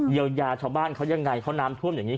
ยายาชาวบ้านเขายังไงเขาน้ำท่วมอย่างนี้